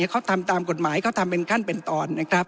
เขาทำตามกฎหมายเขาทำเป็นขั้นเป็นตอนนะครับ